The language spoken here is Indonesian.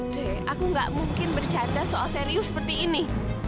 dek aku gak mungkin bercanda soal serius seperti ini